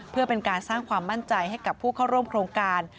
เพื่อเป็นการสร้างความมั่นใจให้กับผู้เข้าร่วมโครงการ